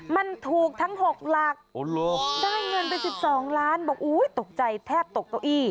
มันถูกทั้ง๖หลักได้เงินไป๑๒ล้านบอกตกใจแทบตกเก้าอี้